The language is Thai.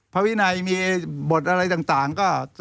วินัยมีบทอะไรต่างก็